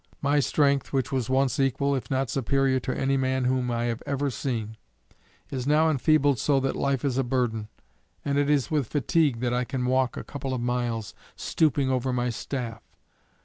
My strength which was once equal if not superior to any man whom I have ever seen, is now enfeebled so that life is a burden, and it is with fatigue that I can walk a couple of miles, stooping over my staff.